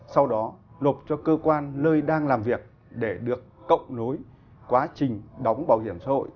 sau đó lục cho cơ quan nơi đang làm việc để được cộng nối quá trình đóng bảo hiểm xã hội